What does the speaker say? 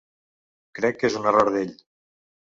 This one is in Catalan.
Crec que és un error d’ell.